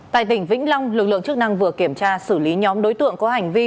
tại tỉnh vĩnh long lực lượng chức năng vừa kiểm tra xử lý nhóm đối tượng có hành vi